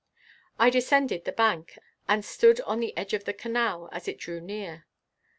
I descended the bank, and stood on the edge of the canal as it drew near.